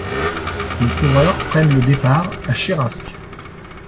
Les coureurs prennent le départ à Cherasc.